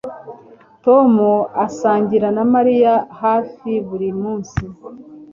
Tom asangira na Mariya hafi buri munsi